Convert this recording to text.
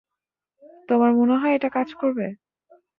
তোমার মনে হয় এটা কাজ করবে?